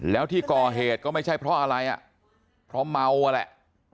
แล้วที่กอเหตุก็ไม่ใช่เพราะอะไรเพราะเมาอันเนี้ย